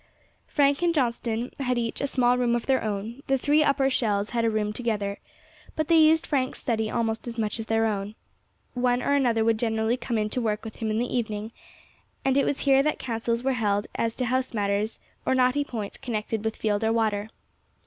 Frank and Johnston had each a small room of their own; the three Upper "Shells" had a room together, but they used Frank's study almost as much as their own; one or other would generally come in to work with him in the evening, and it was here that councils were held as to house matters or knotty points connected with field or water.